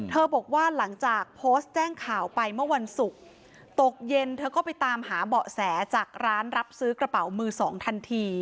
บอกว่าหลังจากโพสต์แจ้งข่าวไปเมื่อวันศุกร์ตกเย็นเธอก็ไปตามหาเบาะแสจากร้านรับซื้อกระเป๋ามือสองทันที